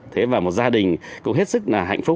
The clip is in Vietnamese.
thế và một gia đình cũng hết sức là hạnh phúc